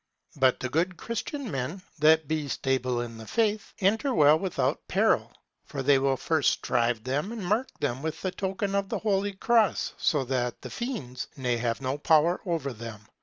But the good Christian men, that be stable in the faith, enter well without peril. For they will first shrive them and mark them with the token of the holy cross, so that the fiends ne have no power over them.